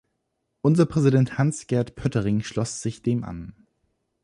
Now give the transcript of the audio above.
Unser Präsident Hans-Gert Pöttering schloss sich dem an.